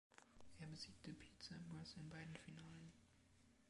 Er besiegte Pete Sampras in beiden Finalen.